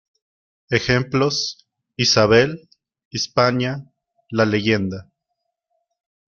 Ejemplos: Isabel, Hispania, la leyenda.